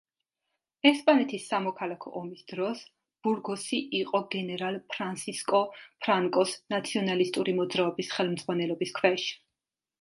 ესპანეთის სამოქალაქო ომის დროს ბურგოსი იყო გენერალ ფრანსისკო ფრანკოს ნაციონალისტური მოძრაობის ხელმძღვანელობის ქვეშ.